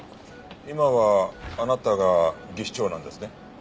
今はあなたが技師長なんですね？